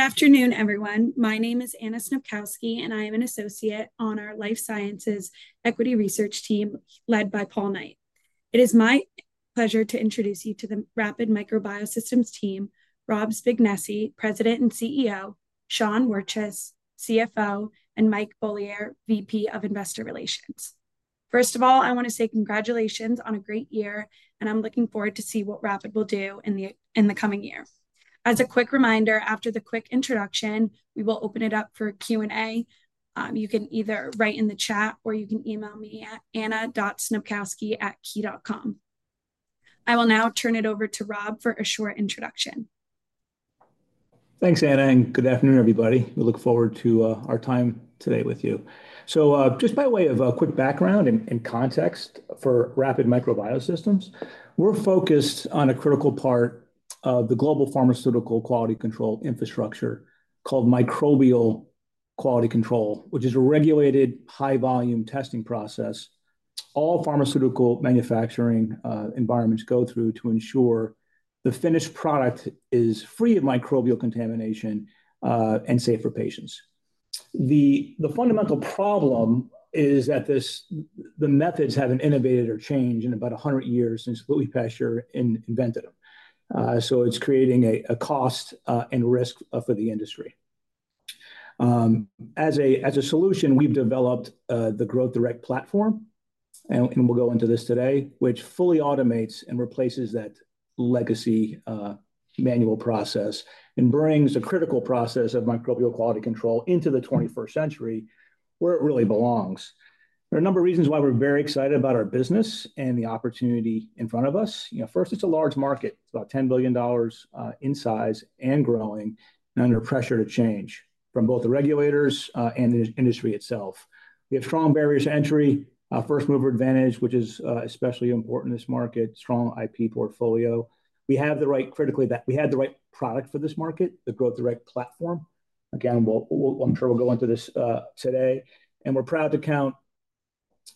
Good afternoon, everyone. My name is Anna Snopkowski, and I am an associate on our Life Sciences Equity Research team led by Paul Knight. It is my pleasure to introduce you to the Rapid Micro Biosystems team, Rob Spignesi, President and CEO, Sean Wirtjes, CFO, and Mike Beaulieu, VP of Investor Relations. First of all, I want to say congratulations on a great year, and I'm looking forward to seeing what Rapid will do in the coming year. As a quick reminder, after the quick introduction, we will open it up for Q&A. You can either write in the chat or you can email me at anna.snopkowski@key.com. I will now turn it over to Rob for a short introduction. Thanks, Anna, and good afternoon, everybody. We look forward to our time today with you. So just by way of a quick background and context for Rapid Micro Biosystems, we're focused on a critical part of the global pharmaceutical quality control infrastructure called microbial quality control, which is a regulated high-volume testing process all pharmaceutical manufacturing environments go through to ensure the finished product is free of microbial contamination and safe for patients. The fundamental problem is that the methods haven't innovated or changed in about 100 years since Louis Pasteur invented them. So it's creating a cost and risk for the industry. As a solution, we've developed the Growth Direct platform, and we'll go into this today, which fully automates and replaces that legacy manual process and brings a critical process of microbial quality control into the 21st century where it really belongs. There are a number of reasons why we're very excited about our business and the opportunity in front of us. First, it's a large market. It's about $10 billion in size and growing and under pressure to change from both the regulators and the industry itself. We have strong barriers to entry, first mover advantage, which is especially important in this market, strong IP portfolio. We have the right credibility that we have the right product for this market, the Growth Direct platform. Again, I'm sure we'll go into this today. We're proud to count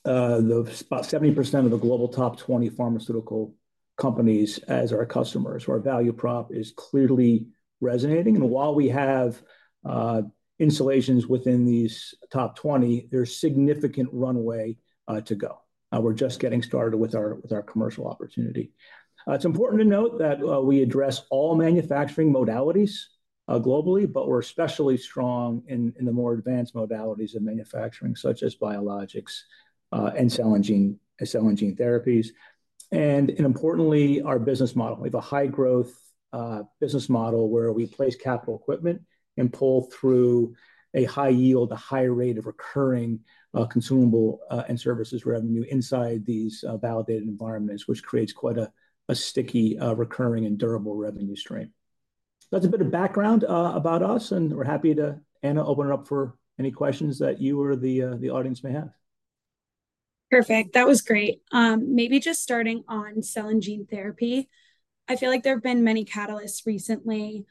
about 70% of the global top 20 pharmaceutical companies as our customers. Our value prop is clearly resonating. While we have installations within these top 20, there's significant runway to go. We're just getting started with our commercial opportunity. It's important to note that we address all manufacturing modalities globally, but we're especially strong in the more advanced modalities of manufacturing, such as biologics and cell and gene therapies. And importantly, our business model. We have a high-growth business model where we place capital equipment and pull through a high yield, a high rate of recurring consumable and services revenue inside these validated environments, which creates quite a sticky, recurring, and durable revenue stream. That's a bit of background about us, and we're happy to, Anna, open it up for any questions that you or the audience may have. Perfect. That was great. Maybe just starting on cell and gene therapy. I feel like there have been many catalysts recently,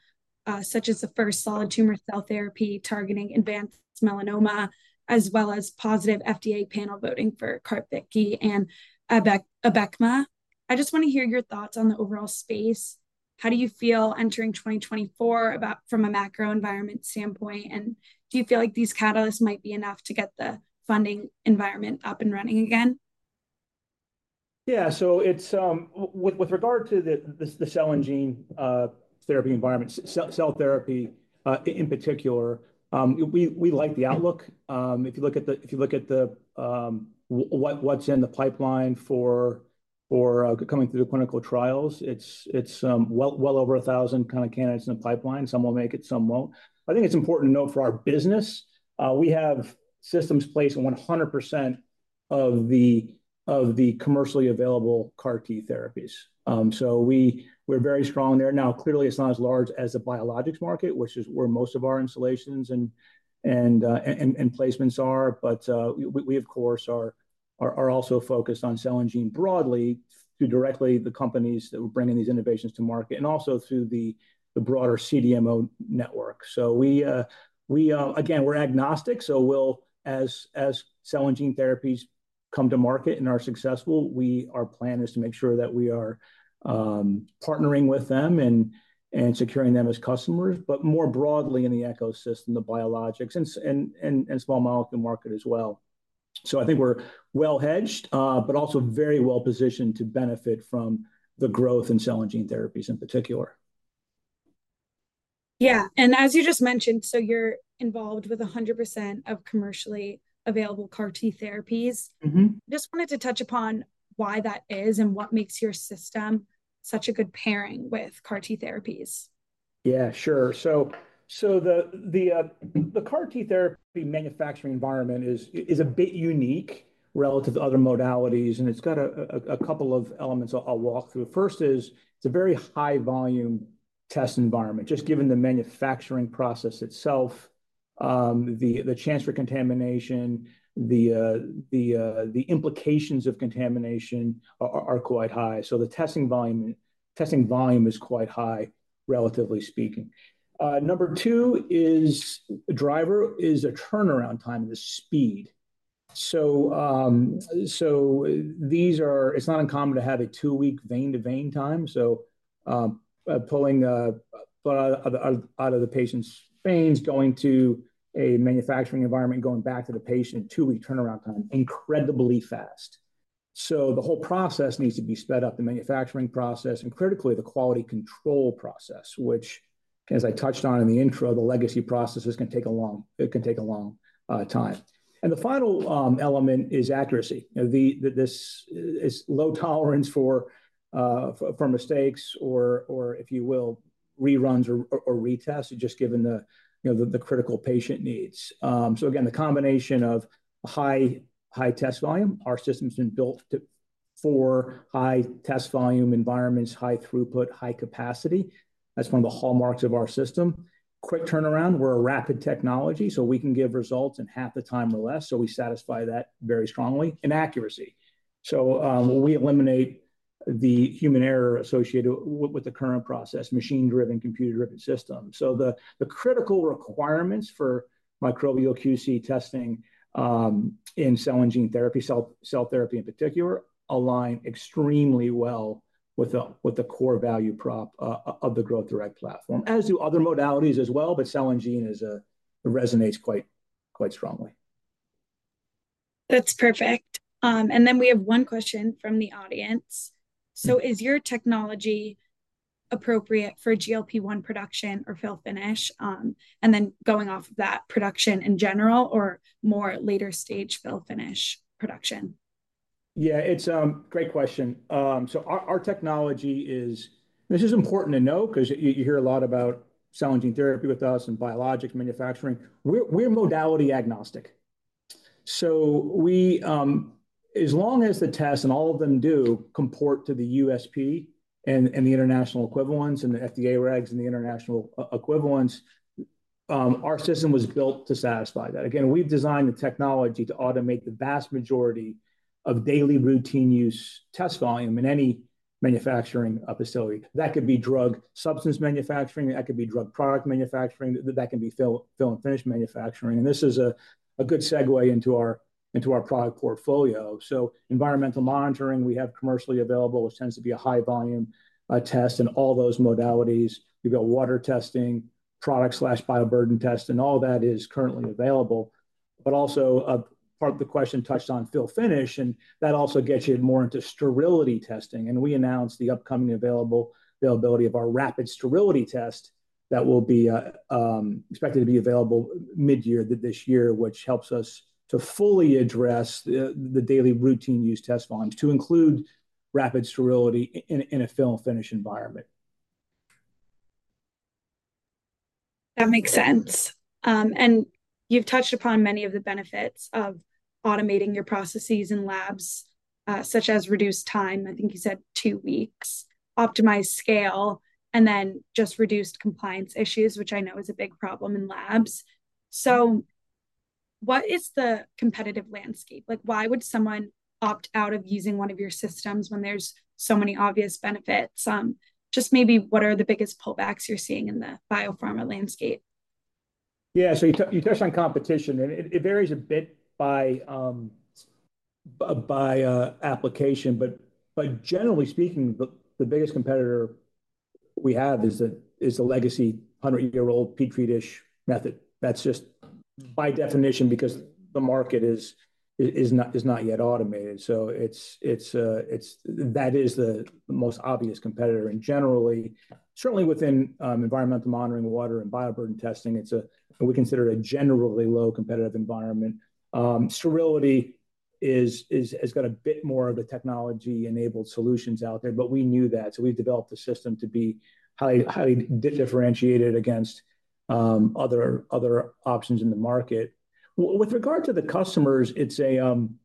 such as the first solid tumor cell therapy targeting advanced melanoma, as well as positive FDA panel voting for CAR T/Carvykti and Abecma. I just want to hear your thoughts on the overall space. How do you feel entering 2024 from a macro environment standpoint, and do you feel like these catalysts might be enough to get the funding environment up and running again? Yeah, so with regard to the cell and gene therapy environment, cell therapy in particular, we like the outlook. If you look at the what's in the pipeline for coming through the clinical trials, it's well over 1,000 kind of candidates in the pipeline. Some will make it, some won't. I think it's important to note for our business, we have systems placed on 100% of the commercially available CAR T therapies. So we're very strong there. Now, clearly, it's not as large as the biologics market, which is where most of our installations and placements are. But we, of course, are also focused on cell and gene broadly through directly the companies that were bringing these innovations to market and also through the broader CDMO network. So again, we're agnostic. So as cell and gene therapies come to market and are successful, our plan is to make sure that we are partnering with them and securing them as customers, but more broadly in the ecosystem, the biologics, and small molecule market as well. So I think we're well hedged, but also very well positioned to benefit from the growth in cell and gene therapies in particular. Yeah, and as you just mentioned, so you're involved with 100% of commercially available CAR T therapies. I just wanted to touch upon why that is and what makes your system such a good pairing with CAR T therapies. Yeah, sure. So the CAR T therapy manufacturing environment is a bit unique relative to other modalities, and it's got a couple of elements I'll walk through. First is it's a very high-volume test environment. Just given the manufacturing process itself, the chance for contamination, the implications of contamination are quite high. So the testing volume is quite high, relatively speaking. Number two driver is a turnaround time and the speed. So it's not uncommon to have a two week vein-to-vein time. So pulling blood out of the patient's veins, going to a manufacturing environment, and going back to the patient, two week turnaround time, incredibly fast. So the whole process needs to be sped up, the manufacturing process, and critically, the quality control process, which, as I touched on in the intro, the legacy processes can take a long time. The final element is accuracy. This is low tolerance for mistakes or, if you will, reruns or retests, just given the critical patient needs. So again, the combination of high test volume, our system's been built for high test volume environments, high throughput, high capacity. That's one of the hallmarks of our system. Quick turnaround. We're a rapid technology, so we can give results in half the time or less. So we satisfy that very strongly. And accuracy. So we eliminate the human error associated with the current process, machine-driven, computer-driven systems. So the critical requirements for microbial QC testing in cell and gene therapy, cell therapy in particular, align extremely well with the core value prop of the Growth Direct platform, as do other modalities as well, but cell and gene resonates quite strongly. That's perfect. And then we have one question from the audience. So is your technology appropriate for GLP-1 production or fill-finish? And then going off of that, production in general or more later-stage fill-finish production? Yeah, it's a great question. So our technology is. This is important to know because you hear a lot about cell and gene therapy with us and biologics manufacturing. We're modality agnostic. So as long as the tests and all of them do comport to the USP and the international equivalents and the FDA regs and the international equivalents, our system was built to satisfy that. Again, we've designed the technology to automate the vast majority of daily routine use test volume in any manufacturing facility. That could be drug substance manufacturing. That could be drug product manufacturing. That can be fill and finish manufacturing. And this is a good segue into our product portfolio. So environmental monitoring, we have commercially available, which tends to be a high-volume test in all those modalities. You've got water testing, product bioburden test, and all that is currently available. But also part of the question touched on fill-finish, and that also gets you more into sterility testing. We announced the upcoming availability of our Rapid Sterility test that will be expected to be available mid-year this year, which helps us to fully address the daily routine use test volumes to include Rapid Sterility in a fill and finish environment. That makes sense. You've touched upon many of the benefits of automating your processes in labs, such as reduced time. I think you said two weeks, optimized scale, and then just reduced compliance issues, which I know is a big problem in labs. What is the competitive landscape? Why would someone opt out of using one of your systems when there's so many obvious benefits? Just maybe what are the biggest pullbacks you're seeing in the biopharma landscape? Yeah, so you touched on competition, and it varies a bit by application. But generally speaking, the biggest competitor we have is the legacy 100-year-old Petri dish method. That's just by definition because the market is not yet automated. So that is the most obvious competitor. And generally, certainly within environmental monitoring, water, and bioburden testing, we consider it a generally low competitive environment. Sterility has got a bit more of the technology-enabled solutions out there, but we knew that. So we've developed a system to be highly differentiated against other options in the market. With regard to the customers, the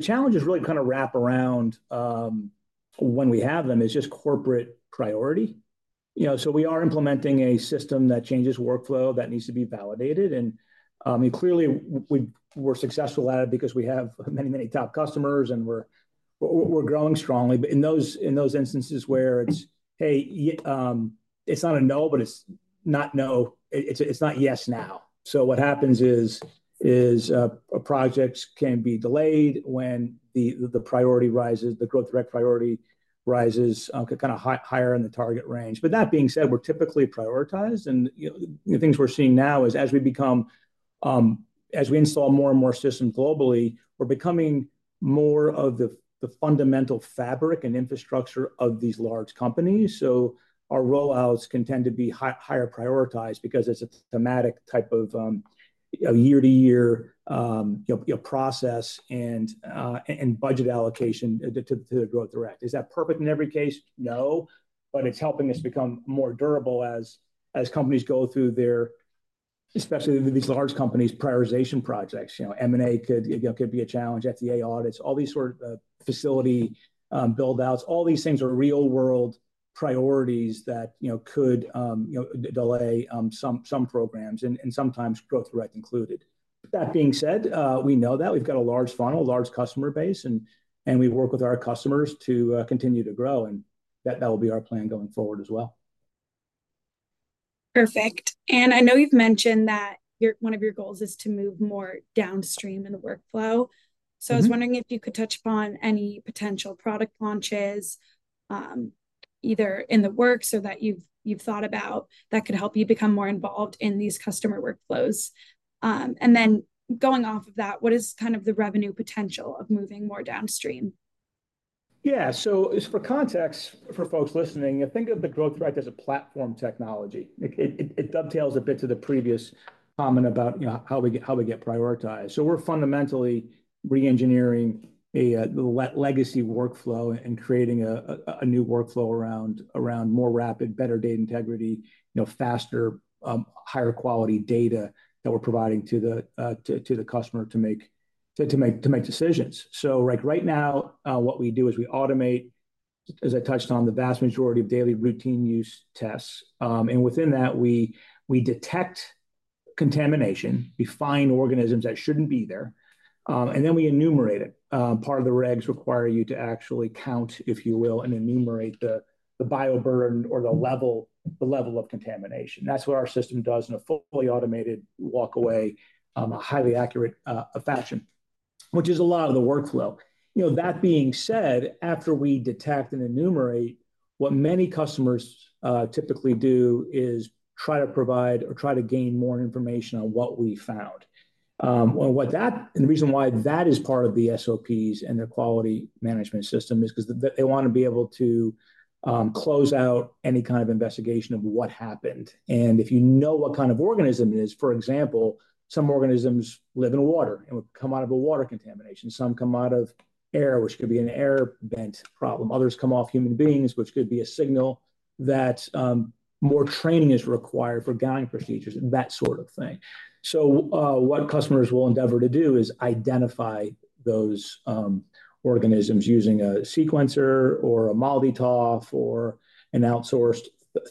challenges really kind of wrap around when we have them is just corporate priority. So we are implementing a system that changes workflow that needs to be validated. And clearly, we're successful at it because we have many, many top customers and we're growing strongly. But in those instances where it's, hey, it's not a no, but it's not no. It's not yes now. So what happens is projects can be delayed when the priority rises, the Growth Direct priority rises kind of higher in the target range. But that being said, we're typically prioritized. And the things we're seeing now is as we install more and more systems globally, we're becoming more of the fundamental fabric and infrastructure of these large companies. So our rollouts can tend to be higher prioritized because it's a thematic type of year-to-year process and budget allocation to the Growth Direct. Is that perfect in every case? No. But it's helping us become more durable as companies go through their, especially these large companies, prioritization projects. M&A could be a challenge, FDA audits, all these sort of facility buildouts. All these things are real-world priorities that could delay some programs and sometimes Growth Direct included. That being said, we know that. We've got a large funnel, a large customer base, and we work with our customers to continue to grow. That will be our plan going forward as well. Perfect. And I know you've mentioned that one of your goals is to move more downstream in the workflow. So I was wondering if you could touch upon any potential product launches either in the works or that you've thought about that could help you become more involved in these customer workflows. And then going off of that, what is kind of the revenue potential of moving more downstream? Yeah, so for context, for folks listening, think of the Growth Direct as a platform technology. It dovetails a bit to the previous comment about how we get prioritized. So we're fundamentally re-engineering a legacy workflow and creating a new workflow around more rapid, better data integrity, faster, higher quality data that we're providing to the customer to make decisions. So right now, what we do is we automate, as I touched on, the vast majority of daily routine use tests. And within that, we detect contamination, we find organisms that shouldn't be there. And then we enumerate it. Part of the regs require you to actually count, if you will, and enumerate the bioburden or the level of contamination. That's what our system does in a fully automated, walk-away, highly accurate fashion, which is a lot of the workflow. That being said, after we detect and enumerate, what many customers typically do is try to provide or try to gain more information on what we found. And the reason why that is part of the SOPs and their quality management system is because they want to be able to close out any kind of investigation of what happened. And if you know what kind of organism it is, for example, some organisms live in water and come out of a water contamination. Some come out of air, which could be an air vent problem. Others come off human beings, which could be a signal that more training is required for gowning procedures, that sort of thing. So what customers will endeavor to do is identify those organisms using a sequencer or a MALDI-TOF or an outsourced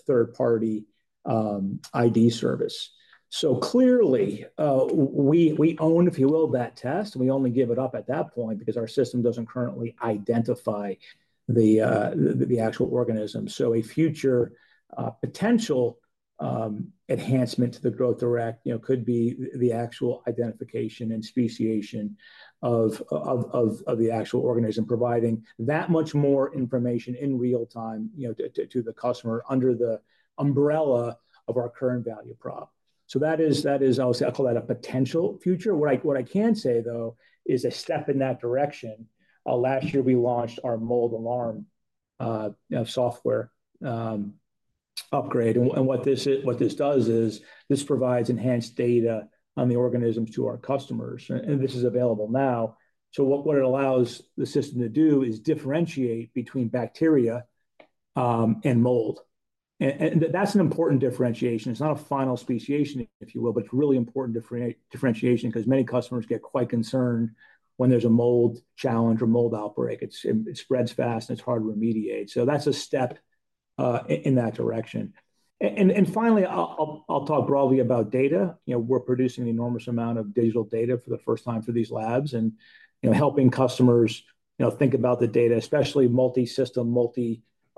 third-party ID service. So clearly, we own, if you will, that test, and we only give it up at that point because our system doesn't currently identify the actual organism. So a future potential enhancement to the Growth Direct could be the actual identification and speciation of the actual organism, providing that much more information in real time to the customer under the umbrella of our current value prop. So that is, I'll call that a potential future. What I can say, though, is a step in that direction. Last year, we launched our Mold Alarm software upgrade. And what this does is this provides enhanced data on the organisms to our customers. And this is available now. So what it allows the system to do is differentiate between bacteria and mold. And that's an important differentiation. It's not a final speciation, if you will, but it's really important differentiation because many customers get quite concerned when there's a mold challenge or mold outbreak. It spreads fast and it's hard to remediate. So that's a step in that direction. And finally, I'll talk broadly about data. We're producing an enormous amount of digital data for the first time for these labs and helping customers think about the data, especially multi-system,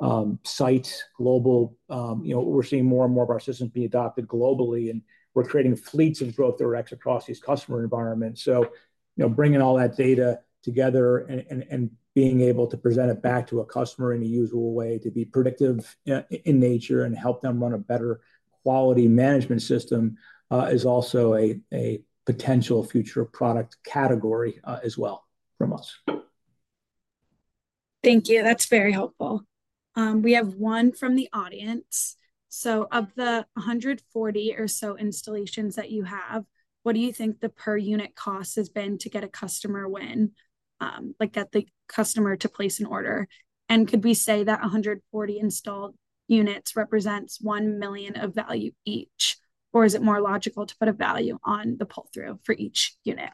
multi-sites, global. We're seeing more and more of our systems being adopted globally, and we're creating fleets of Growth Directs across these customer environments. So bringing all that data together and being able to present it back to a customer in a usable way to be predictive in nature and help them run a better quality management system is also a potential future product category as well from us. Thank you. That's very helpful. We have one from the audience. So of the 140 or so installations that you have, what do you think the per unit cost has been to get a customer win, get the customer to place an order? And could we say that 140 installed units represents $1 million of value each? Or is it more logical to put a value on the pull-through for each unit?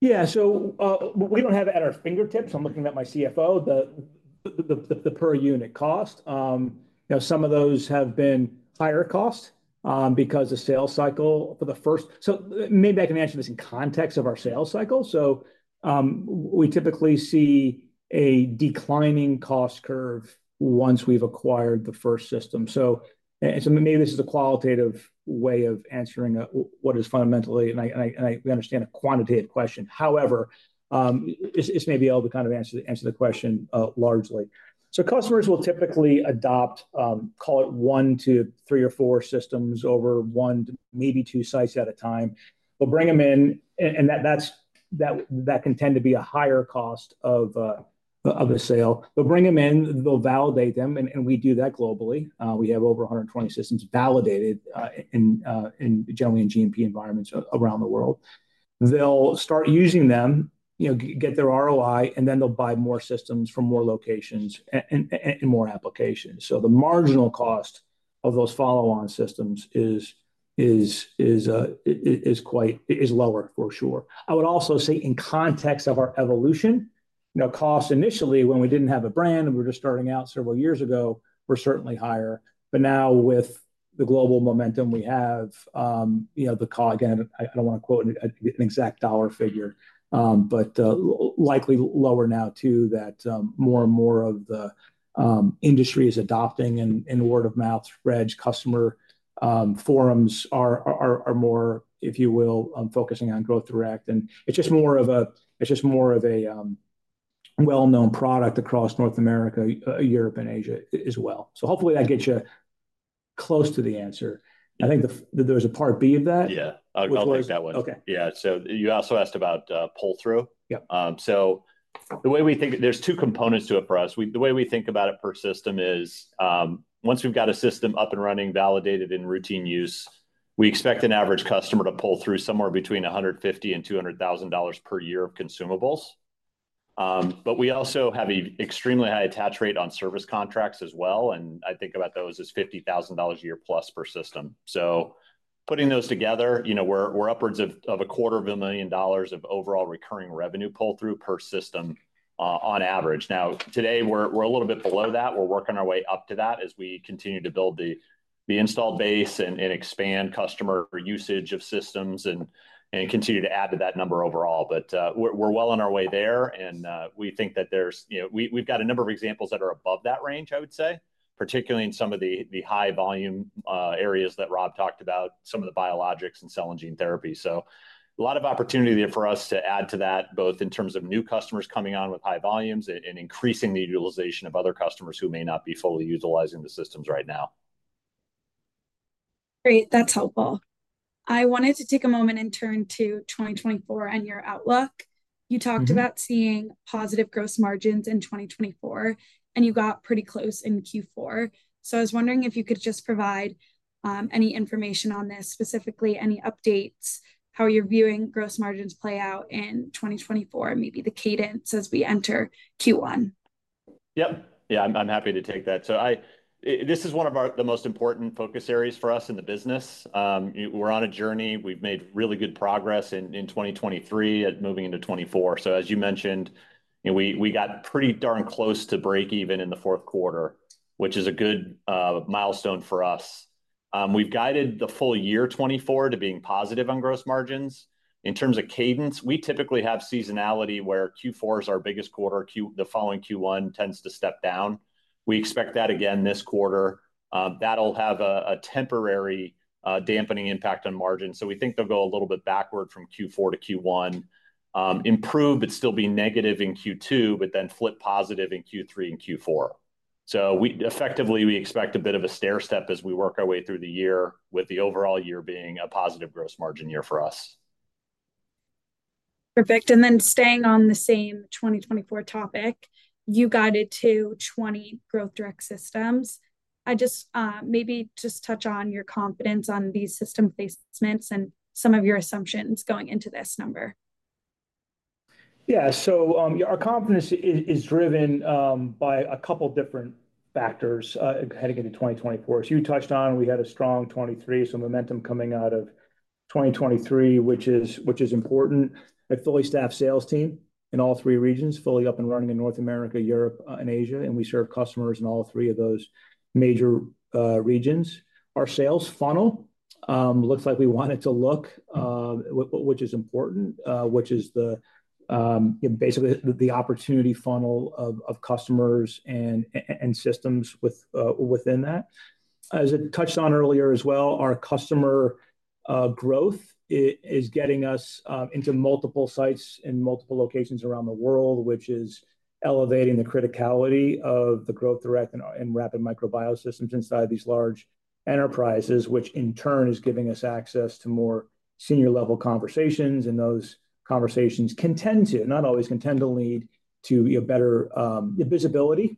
Yeah, so we don't have it at our fingertips. I'm looking at my CFO, the per unit cost. Some of those have been higher cost because of sales cycle for the first so maybe I can answer this in context of our sales cycle. So we typically see a declining cost curve once we've acquired the first system. So maybe this is a qualitative way of answering what is fundamentally, and we understand a quantitative question. However, this may be able to kind of answer the question largely. So customers will typically adopt, call it one to three or four systems over one to maybe two sites at a time. They'll bring them in, and that can tend to be a higher cost of a sale. They'll bring them in, they'll validate them, and we do that globally. We have over 120 systems validated generally in GMP environments around the world. They'll start using them, get their ROI, and then they'll buy more systems from more locations and more applications. So the marginal cost of those follow-on systems is quite lower, for sure. I would also say in context of our evolution, cost initially when we didn't have a brand and we were just starting out several years ago, were certainly higher. But now with the global momentum we have, the cost again, I don't want to quote an exact dollar figure, but likely lower now too, that more and more of the industry is adopting and word-of-mouth spreads, customer forums are more, if you will, focusing on Growth Direct. And it's just more of a well-known product across North America, Europe, and Asia as well. So hopefully that gets you close to the answer. I think there's a part B of that. Yeah, I'll take that one. Yeah, so you also asked about pull-through. So the way we think there's two components to it for us. The way we think about it per system is once we've got a system up and running, validated in routine use, we expect an average customer to pull through somewhere between $150,000-$200,000 per year of consumables. But we also have an extremely high attach rate on service contracts as well. I think about those as $50,000 a year plus per system. Putting those together, we're upwards of $250,000 of overall recurring revenue pull-through per system on average. Now, today, we're a little bit below that. We're working our way up to that as we continue to build the installed base and expand customer usage of systems and continue to add to that number overall. But we're well on our way there. And we think that we've got a number of examples that are above that range, I would say, particularly in some of the high-volume areas that Rob talked about, some of the biologics and cell and gene therapy. So a lot of opportunity there for us to add to that, both in terms of new customers coming on with high volumes and increasing the utilization of other customers who may not be fully utilizing the systems right now. Great. That's helpful. I wanted to take a moment and turn to 2024 and your outlook. You talked about seeing positive gross margins in 2024, and you got pretty close in Q4. So I was wondering if you could just provide any information on this, specifically any updates, how you're viewing gross margins play out in 2024, maybe the cadence as we enter Q1. Yep. Yeah, I'm happy to take that. This is one of the most important focus areas for us in the business. We're on a journey. We've made really good progress in 2023 at moving into 2024. As you mentioned, we got pretty darn close to break even in the fourth quarter, which is a good milestone for us. We've guided the full year 2024 to being positive on gross margins. In terms of cadence, we typically have seasonality where Q4 is our biggest quarter. The following Q1 tends to step down. We expect that again this quarter. That'll have a temporary dampening impact on margins. We think they'll go a little bit backward from Q4 to Q1, improve, but still be negative in Q2, but then flip positive in Q3 and Q4. Effectively, we expect a bit of a stairstep as we work our way through the year, with the overall year being a positive gross margin year for us. Perfect. And then staying on the same 2024 topic, you guided to 20 Growth Direct Systems. Maybe just touch on your confidence on these system placements and some of your assumptions going into this number. Yeah, so our confidence is driven by a couple of different factors heading into 2024. As you touched on, we had a strong 2023, so momentum coming out of 2023, which is important. A fully staffed sales team in all three regions, fully up and running in North America, Europe, and Asia. We serve customers in all three of those major regions. Our sales funnel looks like we wanted to look, which is important, which is basically the opportunity funnel of customers and systems within that. As it touched on earlier as well, our customer growth is getting us into multiple sites and multiple locations around the world, which is elevating the criticality of the Growth Direct and Rapid Micro Biosystems inside these large enterprises, which in turn is giving us access to more senior-level conversations. And those conversations can tend to, not always can tend to, lead to better visibility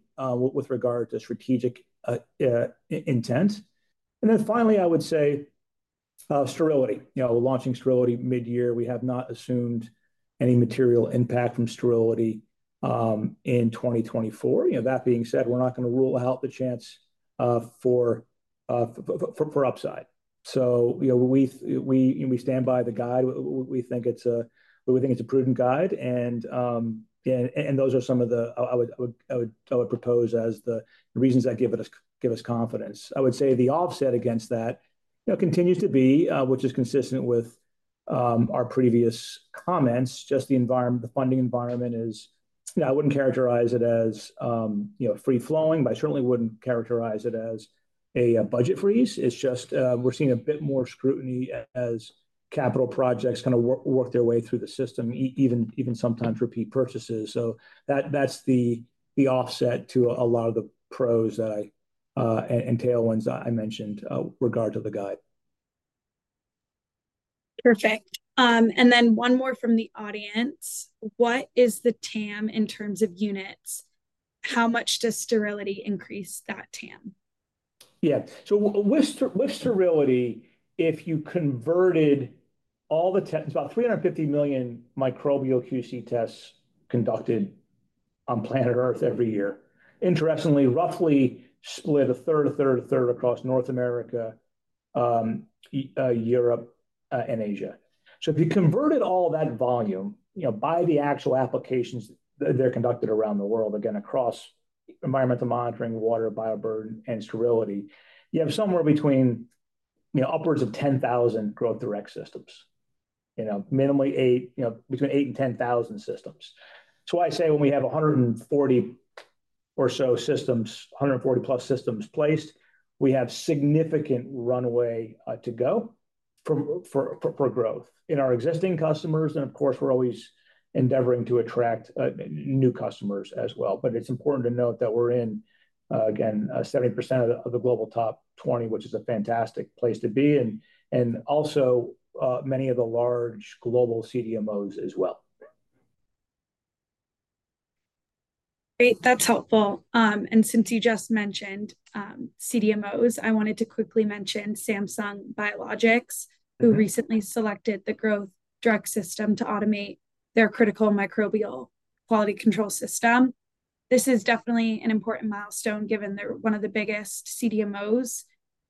with regard to strategic intent. And then finally, I would say sterility. Launching sterility mid-year, we have not assumed any material impact from sterility in 2024. That being said, we're not going to rule out the chance for upside. So we stand by the guide. We think it's a prudent guide. And those are some of the I would propose as the reasons that give us confidence. I would say the offset against that continues to be, which is consistent with our previous comments, just the funding environment is I wouldn't characterize it as free-flowing, but I certainly wouldn't characterize it as a budget freeze. It's just we're seeing a bit more scrutiny as capital projects kind of work their way through the system, even sometimes repeat purchases. So that's the offset to a lot of the pros and tailwinds I mentioned with regard to the guide. Perfect. And then one more from the audience. What is the TAM in terms of units? How much does sterility increase that TAM? Yeah. So with sterility, if you converted all the it's about 350 million microbial QC tests conducted on planet Earth every year. Interestingly, roughly split a third, a third, a third across North America, Europe, and Asia. So if you converted all that volume by the actual applications that they're conducted around the world, again, across environmental monitoring, water, bioburden, and sterility, you have somewhere between upwards of 10,000 Growth Direct systems, minimally between 8,000 and 10,000 systems. That's why I say when we have 140 or so systems, 140+ systems placed, we have significant runway to go for growth in our existing customers. And of course, we're always endeavoring to attract new customers as well. But it's important to note that we're in, again, 70% of the global top 20, which is a fantastic place to be, and also many of the large global CDMOs as well. Great. That's helpful. Since you just mentioned CDMOs, I wanted to quickly mention Samsung Biologics, who recently selected the Growth Direct system to automate their critical microbial quality control system. This is definitely an important milestone given they're one of the biggest CDMOs.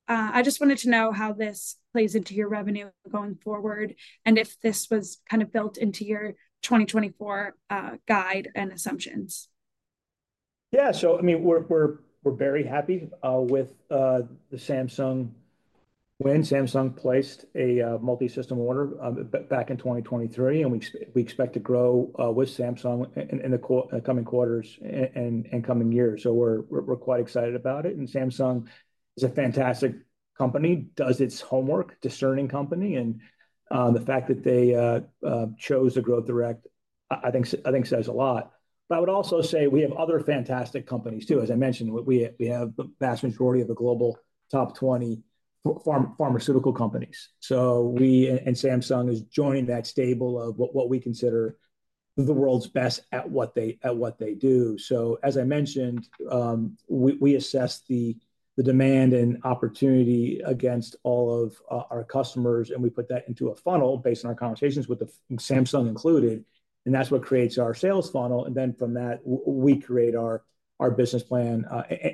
I just wanted to know how this plays into your revenue going forward and if this was kind of built into your 2024 guide and assumptions. Yeah, so I mean, we're very happy with the Samsung win. Samsung placed a multi-system order back in 2023, and we expect to grow with Samsung in the coming quarters and coming years. So we're quite excited about it. And Samsung is a fantastic company, does its homework, discerning company. And the fact that they chose the Growth Direct, I think says a lot. But I would also say we have other fantastic companies too. As I mentioned, we have the vast majority of the global top 20 pharmaceutical companies. So Samsung is joining that stable of what we consider the world's best at what they do. So as I mentioned, we assess the demand and opportunity against all of our customers, and we put that into a funnel based on our conversations with Samsung included. And that's what creates our sales funnel. And then from that, we create our business plan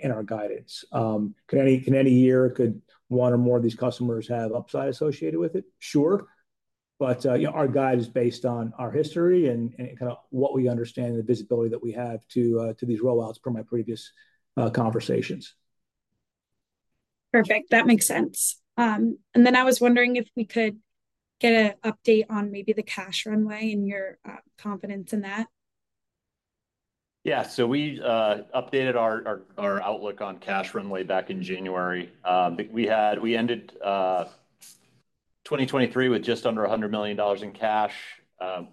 and our guidance. Can any year, could one or more of these customers have upside associated with it? Sure. But our guide is based on our history and kind of what we understand and the visibility that we have to these rollouts per my previous conversations. Perfect. That makes sense. And then I was wondering if we could get an update on maybe the cash runway and your confidence in that. Yeah, so we updated our outlook on cash runway back in January. We ended 2023 with just under $100 million in cash.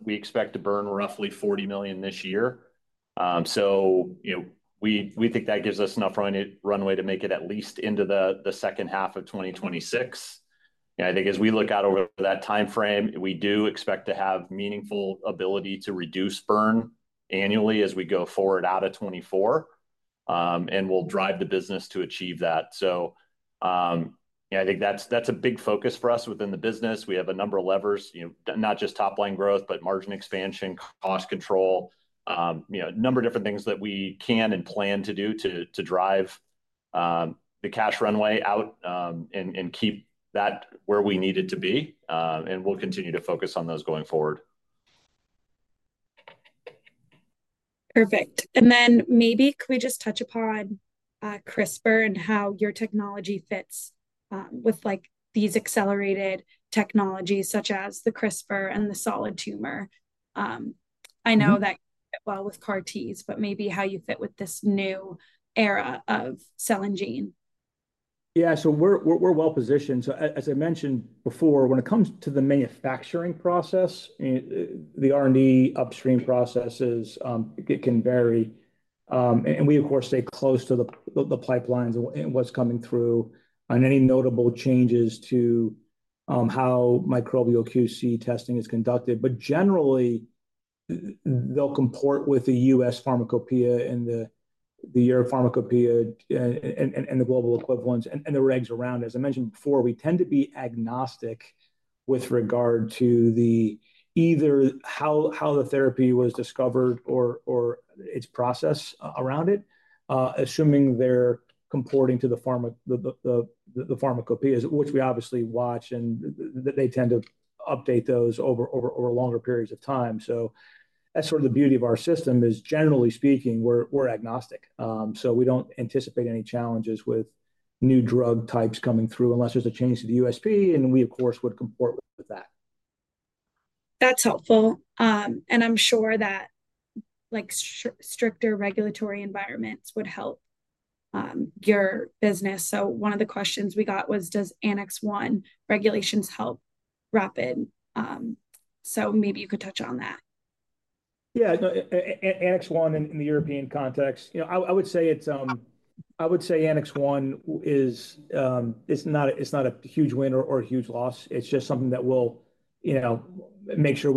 We expect to burn roughly $40 million this year. So we think that gives us enough runway to make it at least into the second half of 2026. I think as we look out over that timeframe, we do expect to have meaningful ability to reduce burn annually as we go forward out of 2024. We'll drive the business to achieve that. So I think that's a big focus for us within the business. We have a number of levers, not just top-line growth, but margin expansion, cost control, a number of different things that we can and plan to do to drive the cash runway out and keep that where we need it to be. We'll continue to focus on those going forward. Perfect. And then maybe could we just touch upon CRISPR and how your technology fits with these accelerated technologies such as the CRISPR and the solid tumor? I know that well with CAR Ts, but maybe how you fit with this new era of cell and gene? Yeah, so we're well positioned. So as I mentioned before, when it comes to the manufacturing process, the R&D upstream processes, it can vary. And we, of course, stay close to the pipelines and what's coming through on any notable changes to how microbial QC testing is conducted. But generally, they'll comport with the U.S. Pharmacopeia and the European Pharmacopoeia and the global equivalents and the regs around it. As I mentioned before, we tend to be agnostic with regard to either how the therapy was discovered or its process around it, assuming they're comporting to the pharmacopeia, which we obviously watch, and they tend to update those over longer periods of time. So that's sort of the beauty of our system is, generally speaking, we're agnostic. We don't anticipate any challenges with new drug types coming through unless there's a change to the USP, and we, of course, would comport with that. That's helpful. And I'm sure that stricter regulatory environments would help your business. So one of the questions we got was, does Annex 1 regulations help Rapid? So maybe you could touch on that. Yeah, Annex 1 in the European context, I would say it's Annex 1 is not a huge win or a huge loss. It's just something that will make sure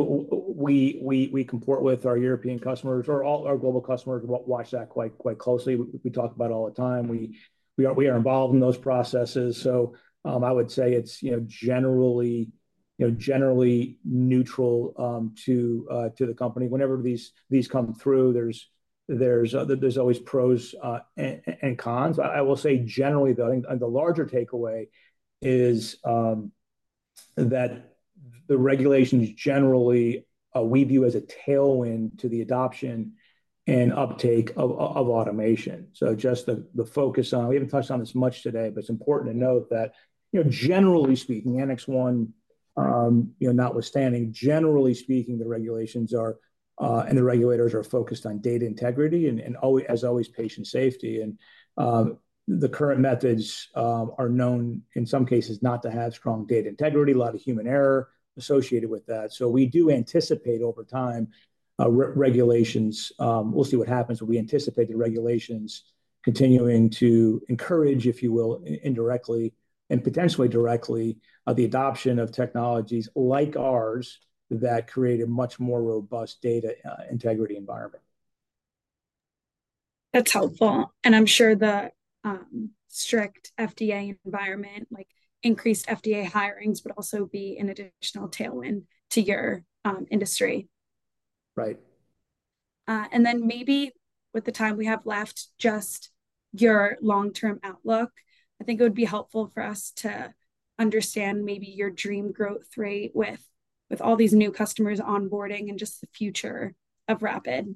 we comport with our European customers or all our global customers watch that quite closely. We talk about it all the time. We are involved in those processes. So I would say it's generally neutral to the company. Whenever these come through, there's always pros and cons. I will say generally, though, I think the larger takeaway is that the regulations generally we view as a tailwind to the adoption and uptake of automation. So just the focus on we haven't touched on this much today, but it's important to note that generally speaking, Annex 1 notwithstanding, generally speaking, the regulations and the regulators are focused on data integrity and, as always, patient safety. The current methods are known, in some cases, not to have strong data integrity, a lot of human error associated with that. We do anticipate over time regulations we'll see what happens. We anticipate the regulations continuing to encourage, if you will, indirectly and potentially directly, the adoption of technologies like ours that create a much more robust data integrity environment. That's helpful. I'm sure the strict FDA environment, increased FDA hirings, would also be an additional tailwind to your industry. Right. And then, maybe with the time we have left, just your long-term outlook. I think it would be helpful for us to understand maybe your dream growth rate with all these new customers onboarding and just the future of Rapid.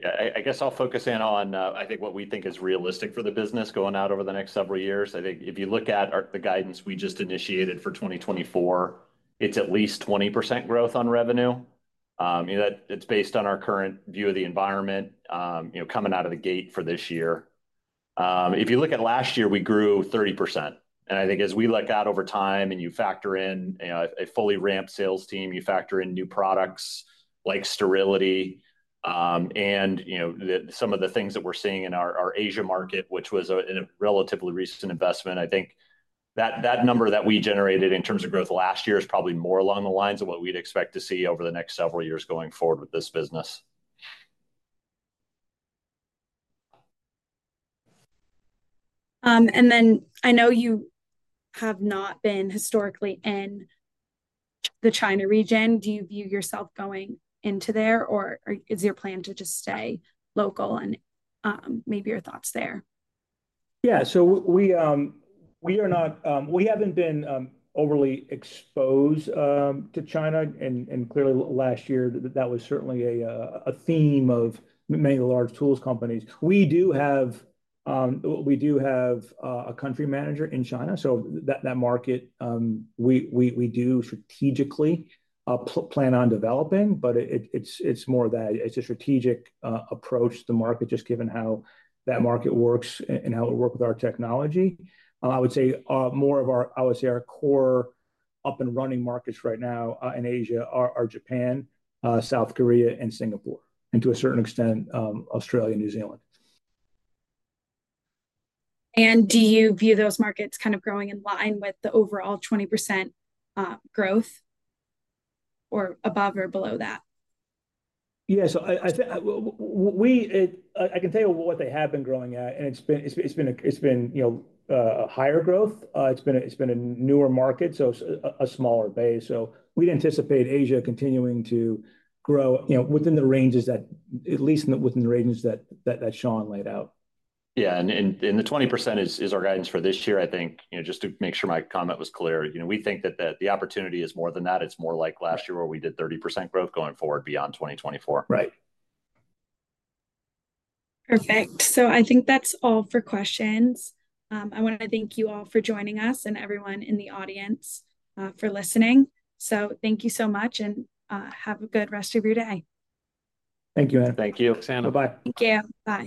Yeah, I guess I'll focus in on, I think, what we think is realistic for the business going out over the next several years. I think if you look at the guidance we just initiated for 2024, it's at least 20% growth on revenue. It's based on our current view of the environment coming out of the gate for this year. If you look at last year, we grew 30%. And I think as we look out over time and you factor in a fully ramped sales team, you factor in new products like sterility and some of the things that we're seeing in our Asia market, which was a relatively recent investment, I think that number that we generated in terms of growth last year is probably more along the lines of what we'd expect to see over the next several years going forward with this business. Then I know you have not been historically in the China region. Do you view yourself going into there, or is your plan to just stay local? Maybe your thoughts there. Yeah, so we haven't been overly exposed to China. And clearly, last year, that was certainly a theme of many of the large tools companies. We do have a country manager in China. So that market, we do strategically plan on developing, but it's more that it's a strategic approach to the market, just given how that market works and how it would work with our technology. I would say our core up-and-running markets right now in Asia are Japan, South Korea, and Singapore, and to a certain extent, Australia, New Zealand. Do you view those markets kind of growing in line with the overall 20% growth or above or below that? Yeah, so I think I can tell you what they have been growing at. It's been a higher growth. It's been a newer market, so a smaller base. We'd anticipate Asia continuing to grow within the ranges that at least within the regions that Sean laid out. Yeah, and the 20% is our guidance for this year, I think, just to make sure my comment was clear. We think that the opportunity is more than that. It's more like last year where we did 30% growth going forward beyond 2024. Right. Perfect. So I think that's all for questions. I want to thank you all for joining us and everyone in the audience for listening. So thank you so much, and have a good rest of your day. Thank you, Anna. Thank you, Anna. Bye-bye. Thank you. Bye.